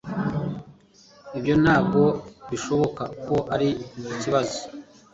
ibyo ntabwo bishoboka ko ari ikibazo